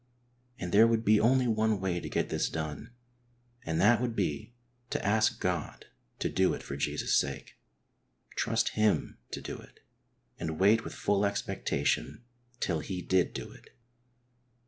And there would be only one way to get this done, and that would be to ask God to do it for Jesus' sake ; trust Him to do it, and wait with full expectation till He did do it.